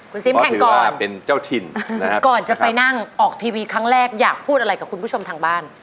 คุณซิมแข่งก่อนเป็นเจ้าถิ่นก่อนจะไปนั่งออกทีวีครั้งแรกอยากพูดอะไรกับคุณผู้ชมทางบ้าน